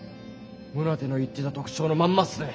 宗手の言ってた特徴のまんまっすね。